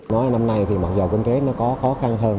nói năm nay thì mặc dù kinh tế nó có khó khăn hơn